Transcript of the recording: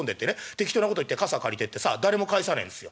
適当なこと言って傘借りてってさ誰も返さねえんですよ。